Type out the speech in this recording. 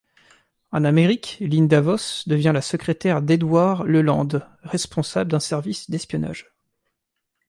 En Amérique, Linda Voss devient la secrétaire d'Edward Leland, responsable d'un service d'espionnage.